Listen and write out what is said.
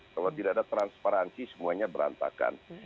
kalau tidak ada transparansi semuanya berantakan